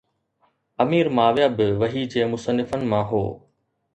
امير معاويه به وحي جي مصنفن مان هو